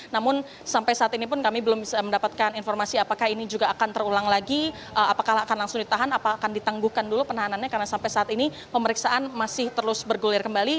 namun sampai saat ini pun kami belum bisa mendapatkan informasi apakah ini juga akan terulang lagi apakah akan langsung ditahan apakah akan ditangguhkan dulu penahanannya karena sampai saat ini pemeriksaan masih terus bergulir kembali